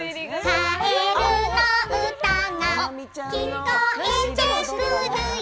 「かえるのうたが聞こえてくるよ」